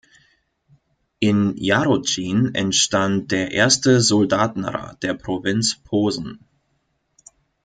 In Jarotschin entstand der erste Soldatenrat der Provinz Posen.